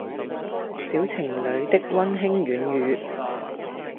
小情侶的溫馨軟語